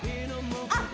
あっ